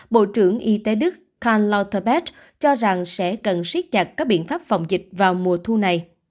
bộ trưởng y tế đức karl lothar beth cho rằng sẽ cần siết chặt các biện pháp phòng dịch vào mùa thu này